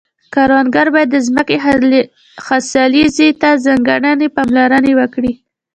کروندګر باید د ځمکې حاصلخیزي ته ځانګړې پاملرنه وکړي.